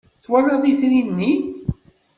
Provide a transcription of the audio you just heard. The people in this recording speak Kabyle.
Twalaḍ itri-nni?